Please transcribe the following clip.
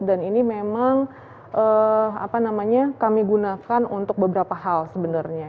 dan ini memang kami gunakan untuk beberapa hal sebenarnya